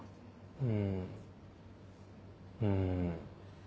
うんうん。